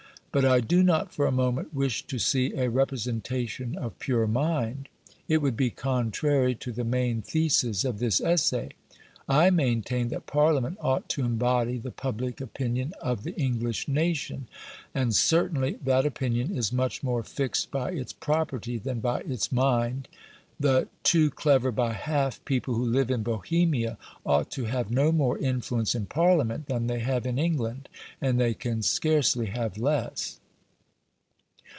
But I do not for a moment wish to see a representation of pure mind; it would be contrary to the main thesis of this essay. I maintain that Parliament ought to embody the public opinion of the English nation; and, certainly, that opinion is much more fixed by its property than by its mind. The "too clever by half" people who live in "Bohemia," ought to have no more influence in Parliament than they have in England, and they can scarcely have less.